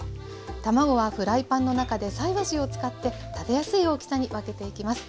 卵はフライパンの中で菜箸を使って食べやすい大きさに分けていきます。